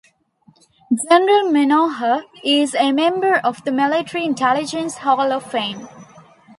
General Menoher is a member of the Military Intelligence Hall of Fame.